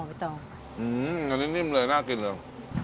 อันนี้นิ่มเลยน่ากินเลย